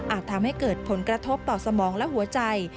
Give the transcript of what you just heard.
ทำให้เกิดผลกระทบต่อสมองและหัวใจ